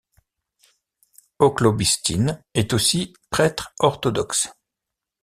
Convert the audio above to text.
Okhlobystine est aussi prêtre orthodoxe.